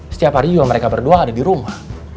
setiap hari juga mereka berdua ada di rumah